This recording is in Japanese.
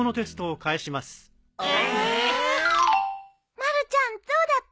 まるちゃんどうだった？